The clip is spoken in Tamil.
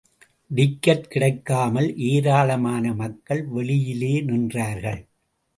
டிக்கட் கிடைக்காமல் ஏராளமான மக்கள் வெளியிலே நின்றார்கள்.